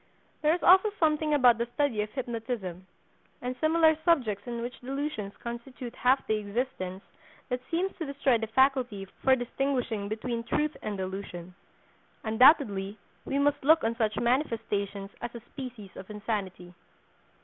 There is also something about the study of hypnotism, and similar subjects in which delusions constitute half the existence, that seems to destroy the faculty for distinguishing between truth and delusion. Undoubtedly we must look on such manifestations as a species of insanity.